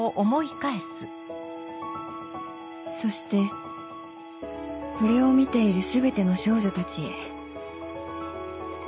「そしてこれを観ているすべての少女たちへ」